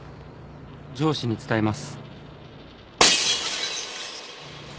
上司に伝えます。